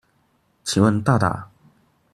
請問大大